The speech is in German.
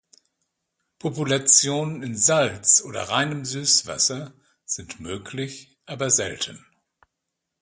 Populationen in Salz- oder reinem Süßwasser sind möglich, aber selten.